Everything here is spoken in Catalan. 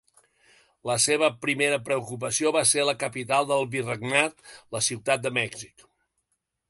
La seva primera preocupació va ser la capital del virregnat, la Ciutat de Mèxic.